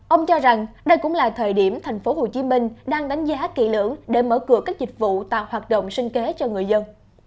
ông cho rằng đây cũng là thời điểm tp hcm đang đánh giá kỹ lưỡng để mở cửa các dịch vụ tạo hoạt động sinh kế cho người dân